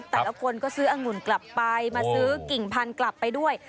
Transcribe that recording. แต่ละคนก็ซื้ออังุ่นกลับไปมาซื้อกิ่งพันธุ์กลับไปด้วย